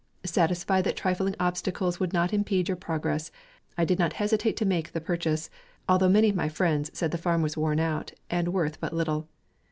Satisfied that trifling obstacles would not impede your progress, I did not hesitate to make the pur chase, although many of my friends said the farm was worn out, and worth but litvie.